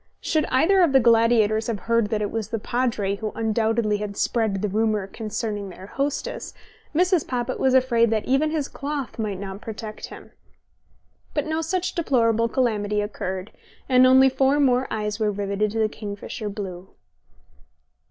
Should either of the gladiators have heard that it was the Padre who undoubtedly had spread the rumour concerning their hostess, Mrs. Poppit was afraid that even his cloth might not protect him. But no such deplorable calamity occurred, and only four more eyes were riveted to the kingfisher blue.